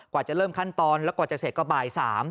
กว่าจะเริ่มขั้นตอนแล้วกว่าจะเสร็จก็บ่าย๓